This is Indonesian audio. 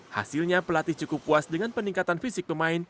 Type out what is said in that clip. hasilnya pelatih cukup puas dengan peningkatan fisik pemain